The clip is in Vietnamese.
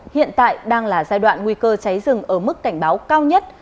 hiện tại đang là giai đoạn nguy cơ cháy rừng ở mức cảnh báo cao nhất